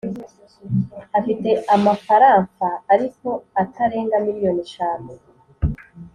Afite amafaranfa ariko atarenga miliyoni eshanu